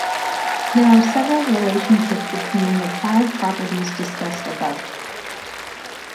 There are several relationship between the five properties discussed above.